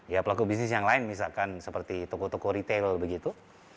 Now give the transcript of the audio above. ya pelaku bisnis yang lain misalkan seperti toko toko retail begitu